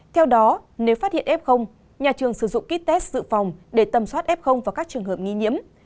theo đó nếu phát hiện f nhà trường sử dụng kit test dự phòng để tầm soát f vào các trường hợp nghi nhiễm